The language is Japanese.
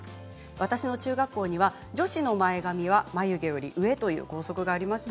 私の中学校には女子の前髪は眉毛より上という校則がありました。